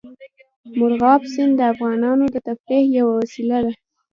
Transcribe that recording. مورغاب سیند د افغانانو د تفریح یوه وسیله ده.